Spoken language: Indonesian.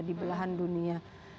di belahan dunia